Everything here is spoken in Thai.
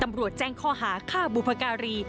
ตำรวจแจ้งข้อหาค่าบุพการี